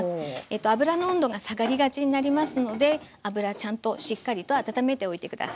油の温度が下がりがちになりますので油ちゃんとしっかりと温めておいて下さい。